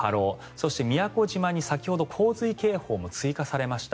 そして宮古島に先ほど洪水警報も追加されました。